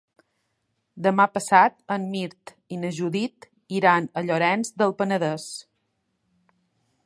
Demà passat en Mirt i na Judit iran a Llorenç del Penedès.